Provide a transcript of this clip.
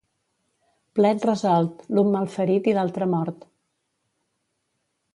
Plet resolt, l'un malferit i l'altre mort.